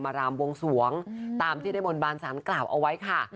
เอาหยุดมาร้ำวงสวงตามที่ได้บรรบารสารกล่าวเอาไว้ค่ะ